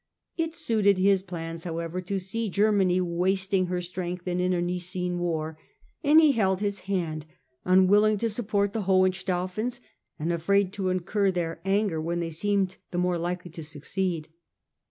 It suited his plans, however, to see Germany wasting her strength in internecine warfare and he held his hand, unwilling to support the Hohenstaufens and afraid to incur their anger when they seemed the more likely to succeed.